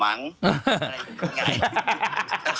อะไรอย่างงี้